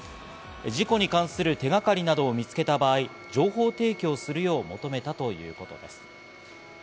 事故に関する手掛かりなどを見つけた場合、情報提供をするよう求めたということです。